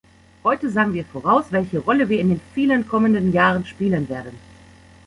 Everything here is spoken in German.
Heute sagen wir voraus, welche Rolle wir in den vielen kommenden Jahren spielen werden.